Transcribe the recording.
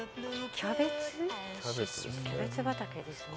キャベツですね。